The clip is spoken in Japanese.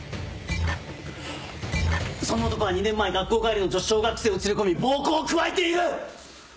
その男は２年前学校帰りの女子小学生を連れ込み暴行を加えている！